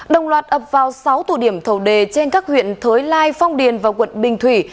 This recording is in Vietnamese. đồng loạt ập vào sáu tụ điểm thầu đề trên các huyện thới lai phong điền và quận bình thủy